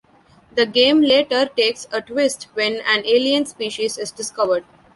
The game later takes a twist, when an alien species is discovered.